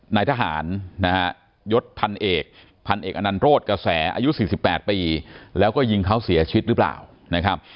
นายทหารนะฮะยศพันเอกพันเอกอนันโรศกระแสอายุ๔๘ปีแล้วก็ยิงเขาเสียชีวิตหรือเปล่านะครับ